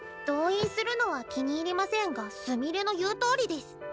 同意するのは気に入りませんがすみれの言うとおりデス。